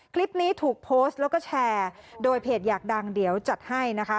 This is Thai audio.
คลิปนี้ถูกโพสต์แล้วก็แชร์โดยเพจอยากดังเดี๋ยวจัดให้นะคะ